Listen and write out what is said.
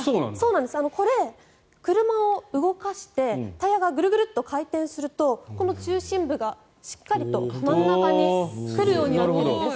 これ、車を動かしてタイヤがグルグルと回転するとこの中心部がしっかりと真ん中に来るようになっているんです。